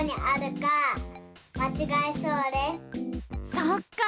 そっか。